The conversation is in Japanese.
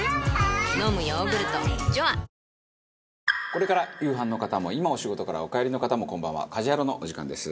これから夕飯の方も今お仕事からお帰りの方もこんばんは『家事ヤロウ！！！』のお時間です。